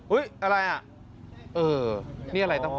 เฮ้ยอะไรอ่ะเออนี่อะไรต้องอ๋อ